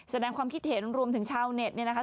แสดงความคิดเห็นรวมถึงชาวเน็ตเนี่ยนะคะ